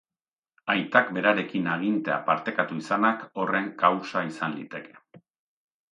Aitak berarekin agintea partekatu izanak horren kausa izan liteke.